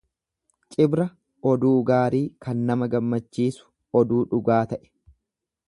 Cibra oduu gaarii kan nama gammachiisu. oduu dhugaa ta'e.